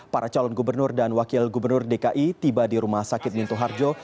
para calon gubernur dan wakil gubernur dki tiba di rumah sakit minto harjo